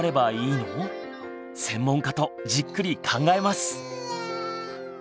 専門家とじっくり考えます。